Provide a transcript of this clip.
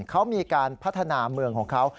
เขามีการพัฒนาเมืองของเขา